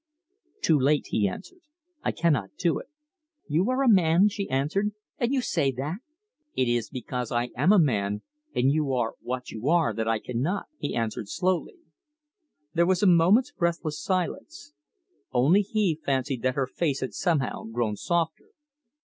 "Too late," he answered; "I cannot do it." "You are a man," she answered, "and you say that?" "It is because I am a man, and you are what you are, that I cannot," he answered slowly. There was a moment's breathless silence. Only he fancied that her face had somehow grown softer.